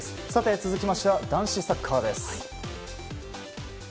続きましては男子サッカーです。